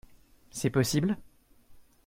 C’est possible ?